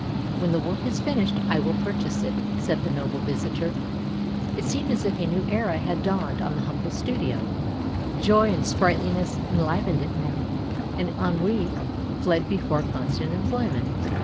" When the work is finished, I will purchase it," said the noble visitor. It seemed as if a new era had dawned on the humble studio; joy and sprightliness enlivened it now, and ennui fled before constant employment.